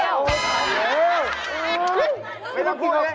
ไม่ต้องพูดเลย